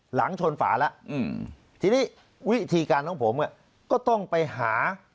หลังชนฝาแล้วทีนี้วิธีการของผมก็ต้องไปหา